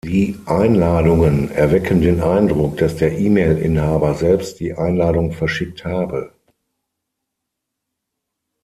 Die „Einladungen“ erwecken den Eindruck, dass der E-Mail-Inhaber selbst die Einladung verschickt habe.